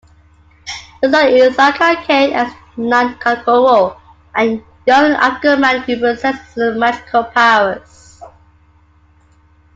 It stars Issiaka Kane as Nianankoro, a young African man who possesses magical powers.